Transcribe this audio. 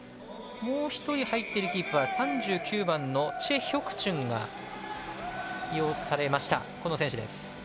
もう１人、入っているキーパー３９番のチェ・ヒョクチュンが起用されました。